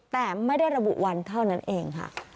แต่ไม่ได้ระบุวันเท่านั้นเองค่ะ